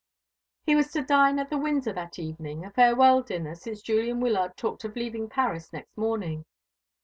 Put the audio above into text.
He was to dine at the Windsor that evening a farewell dinner, since Julian Wyllard talked of leaving Paris next morning.